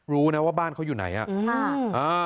รู้นะว่าบ้านเขาอยู่ไหนอ่ะ